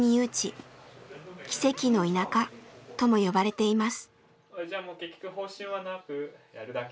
「奇跡の田舎」とも呼ばれています。